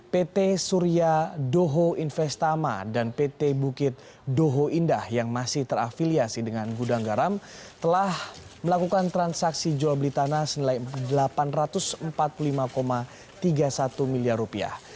pt surya doho investama dan pt bukit doho indah yang masih terafiliasi dengan gudang garam telah melakukan transaksi jual beli tanah senilai delapan ratus empat puluh lima tiga puluh satu miliar rupiah